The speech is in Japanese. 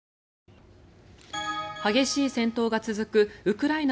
激しい戦闘が続くウクライナ